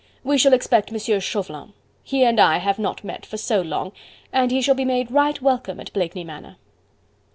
"We shall expect M. Chauvelin. He and I have not met for so long, and he shall be made right welcome at Blakeney Manor."